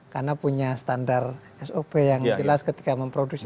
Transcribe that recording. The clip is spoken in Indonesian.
karena punya standar sop yang jelas ketika memproduksi